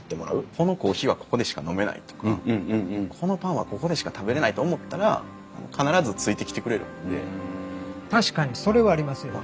このコーヒーはここでしか飲めないとかこのパンはここでしか食べれないと思ったら確かにそれはありますよ。